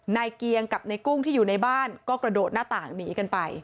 เกียงกับในกุ้งที่อยู่ในบ้านก็กระโดดหน้าต่างหนีกันไป